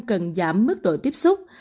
cần giảm mức độ tiếp xúc